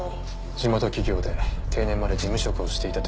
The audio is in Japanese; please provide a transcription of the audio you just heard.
地元企業で定年まで事務職をしていたという山際さん。